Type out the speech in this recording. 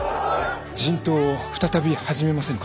人痘を再び始めませぬか？